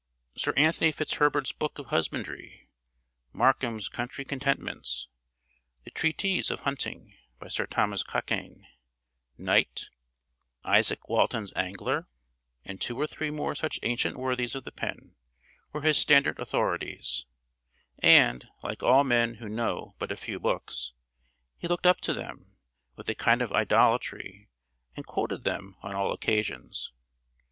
Sir Anthony Fitzherbert's Book of Husbandry; Markham's Country Contentments; the Tretyse of Hunting, by Sir Thomas Cockayne, Knight; Izaak Walton's Angler, and two or three more such ancient worthies of the pen, were his standard authorities; and, like all men who know but a few books, he looked up to them with a kind of idolatry, and quoted them on all occasions.